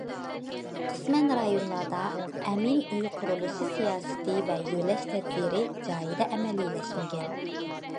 قىسمەن رايونلاردا ئەمىن ئۆي قۇرۇلۇشى سىياسىتى ۋە يۆلەش تەدبىرى جايىدا ئەمەلىيلەشمىگەن.